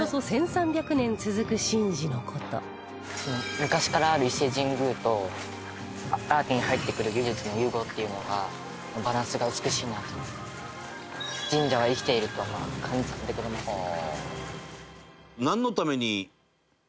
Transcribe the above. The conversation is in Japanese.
昔からある伊勢神宮と新たに入ってくる技術の融合っていうのがバランスが美しいなと。と感じさせてくれますね。